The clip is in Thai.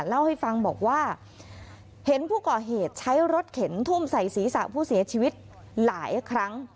เล่าให้ฟังบอกว่าเห็นผู้ก่อเหตุใช้รถเข็นทุ่มใส่ศีรษะผู้เสียชีวิตหลายครั้ง